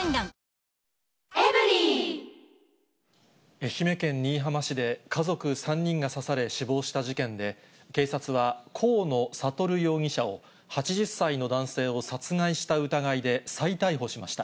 愛媛県新居浜市で、家族３人が刺され死亡した事件で、警察は、河野智容疑者を、８０歳の男性を殺害した疑いで再逮捕しました。